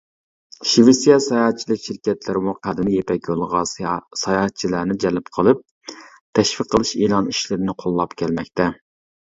شىۋېتسىيە ساياھەتچىلىك شىركەتلىرىمۇ قەدىمىي يىپەك يولىغا ساياھەتچىلەرنى جەلپ قىلىپ تەشۋىق قىلىش ئېلان ئىشلىرىنى قوللاپ كەلمەكتە.